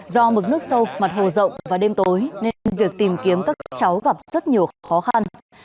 do mực nước sâu mặt hồ rộng và đêm tối nên việc tìm kiếm các cháu gặp rất nhiều khó khăn